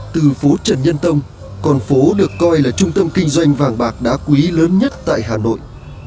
từ phố trần nhân tông còn phú được coi là trung tâm kinh doanh vàng bạc đá quý lớn nhất tại hà nội